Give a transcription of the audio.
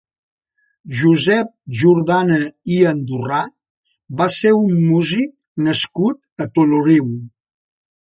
Josep Jordana i Andorrà va ser un músic nascut a Toloriu.